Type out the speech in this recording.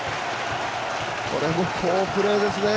これも好プレーですね！